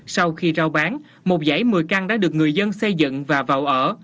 sau khi rao bán một dãy một mươi căn đã được người dân xây dựng và vào ở